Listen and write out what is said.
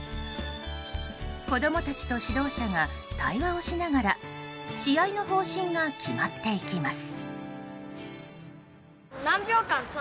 子供たちと指導者が対話をしながら試合の方針が決まっていきます。